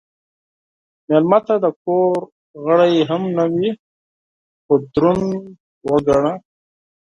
مېلمه ته که د کور غړی هم نه وي، خو دروند وګڼه.